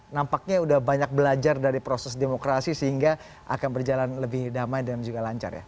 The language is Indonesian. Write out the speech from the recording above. nampaknya sudah banyak belajar dari proses demokrasi sehingga akan berjalan lebih damai dan juga lancar ya